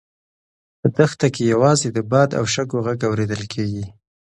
په دښته کې یوازې د باد او شګو غږ اورېدل کېږي.